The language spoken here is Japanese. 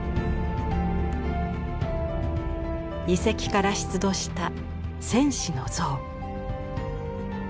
遺跡から出土した戦士の像。